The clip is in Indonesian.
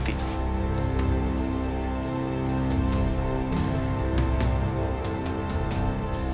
tapi dia itu anak kandungnya dia